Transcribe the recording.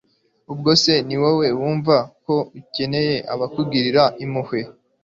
ubwo se ni wowe wumva ko ukeneye abakugirira impuhwe